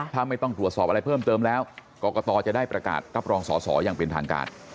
ถ้าไม่ต้องตรวจสอบอะไรเพิ่มเติมแล้วกรกตจะได้ประกาศรับรองสอสออย่างเป็นทางการ